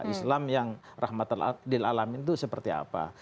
islam yang rahmatil alamin itu seperti apa